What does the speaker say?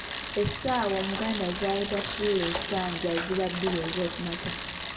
Essaawa Omuganda z'ayita suula essanja ziba bbiri ezookumakya.